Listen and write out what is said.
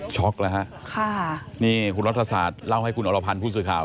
็อกแล้วฮะค่ะนี่คุณรัฐศาสตร์เล่าให้คุณอรพันธ์ผู้สื่อข่าว